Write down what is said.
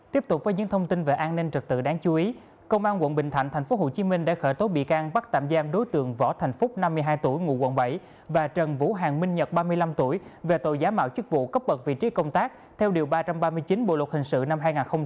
tiếp tục với những thông tin về an ninh trật tự đáng chú ý công an quận bình thạnh tp hcm đã khởi tố bị can bắt tạm giam đối tượng võ thành phúc năm mươi hai tuổi ngụ quận bảy và trần vũ hoàng minh nhật ba mươi năm tuổi về tội giả mạo chức vụ cấp bật vị trí công tác theo điều ba trăm ba mươi chín bộ luật hình sự năm hai nghìn một mươi năm